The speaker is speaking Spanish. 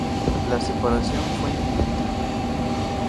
La separación fue inminente.